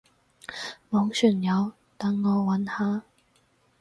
網上有，等我揾下